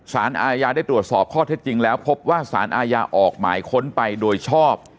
สารอาญาได้ตรวจสอบข้อเท็จจริงแล้วพบว่าสารอาญาออกหมายค้นไปโดยชอบ